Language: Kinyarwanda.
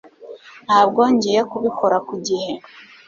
Ntabwo ngiye kubikora ku gihe